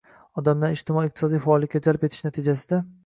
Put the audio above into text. odamlarni ijtimoiy-iqtisodiy faollikka jalb etish natijasida